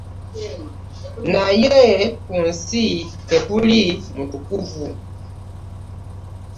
Naye ku nsi tekuli mutukuvu.